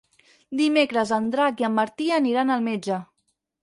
Dimecres en Drac i en Martí aniran al metge.